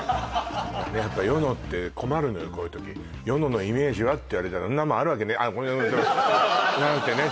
やっぱ与野って困るのよこういう時与野のイメージは？って言われたらそんなもんあるわけねえあっなんてね